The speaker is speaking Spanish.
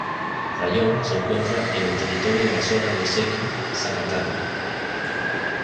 Raión se encuentra en el territorio de la zona de Sheki-Zaqatala.